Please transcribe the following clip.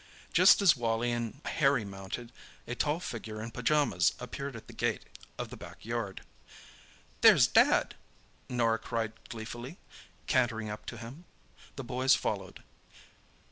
Just as Wally and Harry mounted, a tall figure in pyjamas appeared at the gate of the back yard. "There's Dad!" Norah cried gleefully, cantering up to him. The boys followed.